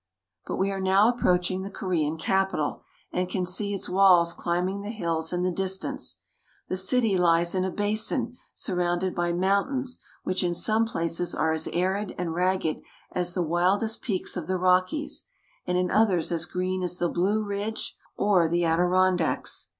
But we are now approaching the Korean capital, and can see its walls climbing the hills in the distance. The city lies in a basin surrounded by mountains which in some places are as arid and ragged as the wildest peaks of the Rockies, and in others as green as the Blue Ridge or the A Korean Lady. c lOO KOREA Adirondacks.